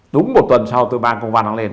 đúng một tuần sau tôi bàn công văn